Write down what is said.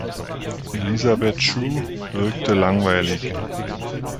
Elisabeth Shue wirke langweilig.